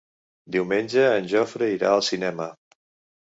Diumenge en Jofre irà al cinema.